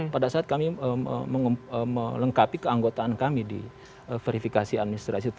pada saat kami melengkapi keanggotaan kami di verifikasi administrasi